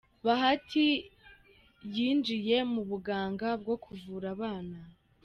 Bahati yinjiye mu buganga bwo kuvura abana